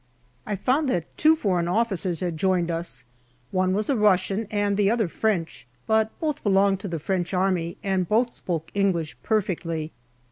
I found that two foreign officers had joined us ; one was a Russian and the other French, but both belonged to the French Army and both spoke English perfectly.